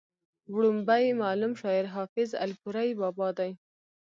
وړومبی معلوم شاعر حافظ الپورۍ بابا دی